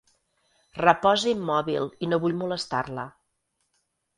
Reposa immòbil i no vull molestar-la.